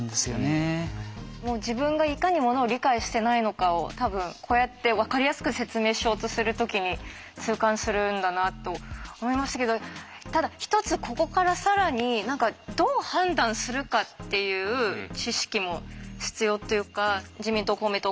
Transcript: もう自分がいかにものを理解してないのかを多分こうやってわかりやすく説明しようとする時に痛感するんだなと思いましたけどただ一つここから更に何かどう判断するかっていう知識も必要というか自民党公明党